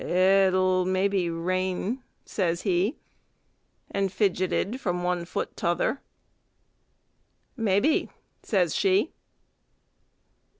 "It'll maybe rain," says he, and fidgeted from one foot to t' other. "Maybe," says she.